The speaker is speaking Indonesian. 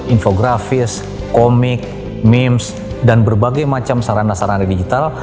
infografis komik memes dan berbagai macam sarana sarana digital